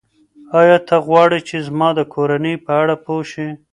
ایا ته غواړې چې زما د کورنۍ په اړه پوه شې؟